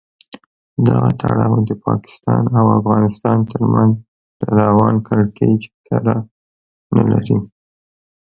دغه تړاو د پاکستان او افغانستان تر منځ له روان کړکېچ سره نه لري.